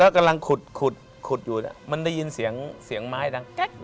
ครับขุดอยู่มันได้ยินเสียงไม้ดัง